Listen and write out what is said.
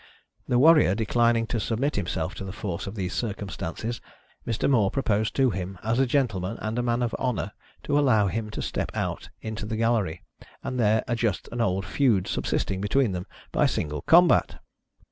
The warrior declining to submit himself to the force of these circumstances, Mr. More proposed to him, as a gentleman and a man of honor, to allow him to step out into the gallery, and there adjust an old feud subsisting between them, by single combat.